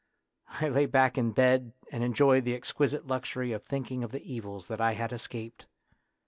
" I lay back in bed and enjoyed the exquisite luxury of thinking of the evils that I had escaped.